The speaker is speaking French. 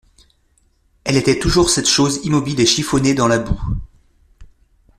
Elle était toujours cette chose immobile et chiffonnée dans la boue.